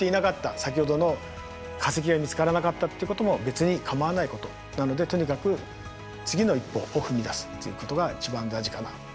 先ほどの化石が見つからなかったっていうことも別に構わないことなのでとにかく次の一歩を踏み出すということが一番大事かな。